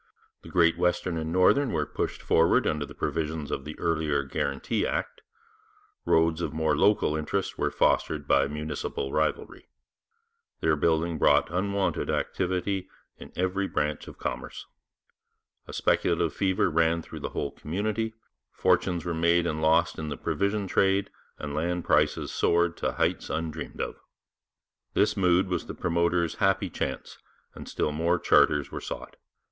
The Great Western and the Northern were pushed forward under the provisions of the earlier Guarantee Act; roads of more local interest were fostered by municipal rivalry. Their building brought unwonted activity in every branch of commerce. A speculative fever ran through the whole community; fortunes were made and lost in the provision trade, and land prices soared to heights undreamed of. This mood was the promoter's happy chance, and still more charters were sought.